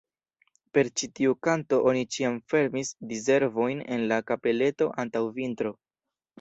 Per ĉi tiu kanto oni ĉiam fermis Di-servojn en la kapeleto antaŭ vintro.